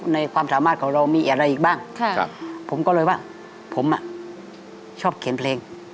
ในความสามารถของเรามีอะไรอีกบ้างผมก็เลยว่าผมชอบเขียนเพลง